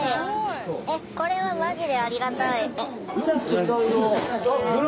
これはマジでありがたい。